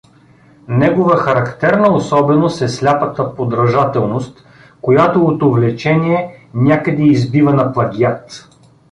Негова характерна особеност е сляпата подражателност, която от увлечение някъде избива на плагиат.